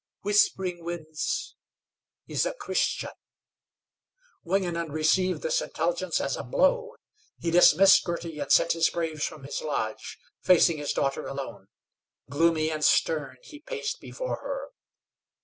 "Whispering Winds is a Christian." Wingenund received this intelligence as a blow. He dismissed Girty and sent his braves from his lodge, facing his daughter alone. Gloomy and stern, he paced before her.